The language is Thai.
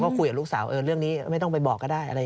ก็คุยกับลูกสาวเรื่องนี้ไม่ต้องไปบอกก็ได้อะไรอย่างนี้